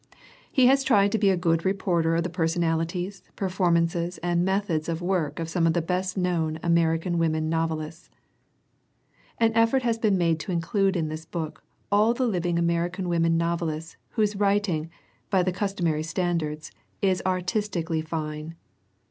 He has tried to be a good reporter of the personalities, performances and methods of work of some of the best known American women novelists. An effort has been made to include in this book all the living American women novelists whose writ ing, by the customary standards, is artistically fine.